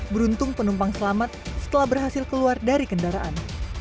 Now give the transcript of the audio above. beruntung penumpang selamat setelah berhasil keluar dari kendaraan